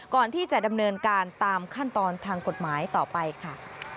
ก่อนที่จะดำเนินการตามขั้นตอนทางกฎหมายต่อไปค่ะ